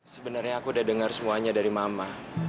sebenernya aku udah denger semuanya dari mama